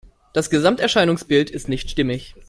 Das Gesamterscheinungsbild ist nicht stimmig.